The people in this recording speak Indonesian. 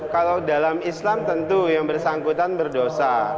kalau dalam islam tentu yang bersangkutan berdosa